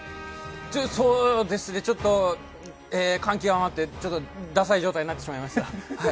そうですね、ちょっと感極まってダサい状態になってしまいました。